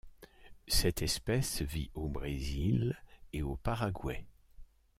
Cette espèce vit au Brésil et au Paraguay.